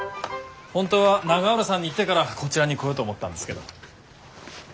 本当は永浦さんに言ってからこちらに来ようと思ったんですけど。